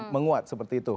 menguat seperti itu